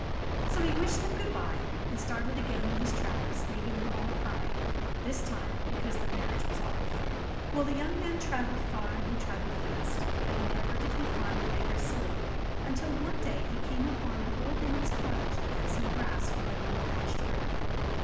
So he wished them good bye and started again on his travels, leaving them all crying ; this time because the mar riage was off ! Well, the young man travelled far and he travelled fast, but never did he find a bigger silly, until one day he came THE THREE SILLIES 107 upon an old woman's cottage that had some grass growing on the thatched roof.